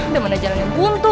udah mana jalan yang buntu